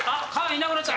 いなくなった。